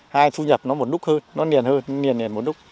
hai là thu nhập nó một lúc hơn nó niền hơn niền niền một lúc